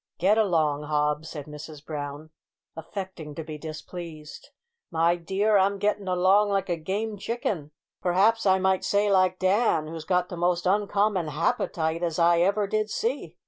"Get along, Hobbs!" said Mrs Brown, affecting to be displeased. "My dear, I'm gettin' along like a game chicken, perhaps I might say like Dan, who's got the most uncommon happetite as I ever did see.